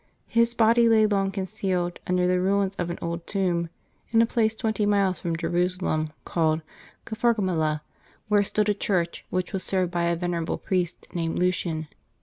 His body lay long concealed, under the ruins of an old tomb, in a place twenty miles from Jerusalem, called Capharga mala, where stood a church which was served by a vener able priest named Lucian.